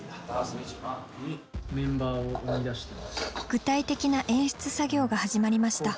具体的な演出作業が始まりました。